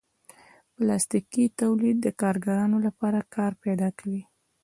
پلاستيکي تولید د کارګرانو لپاره کار پیدا کوي.